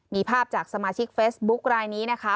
มีภาพจากสมาชิกเฟซบุ๊คลายนี้นะคะ